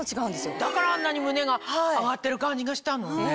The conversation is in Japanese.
だからあんなに胸が上がってる感じがしたの。